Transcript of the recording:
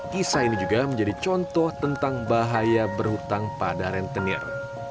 kisah ini juga menjadi contoh tentang bahaya berhutang pada rentenir